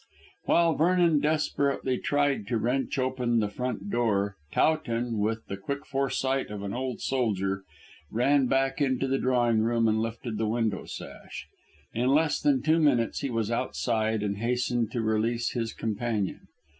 While Vernon desperately tried to wrench open the front door Towton, with the quick foresight of an old soldier, ran back into the drawing room and lifted the window sash. In less than two minutes he was outside and hastened to release his companion.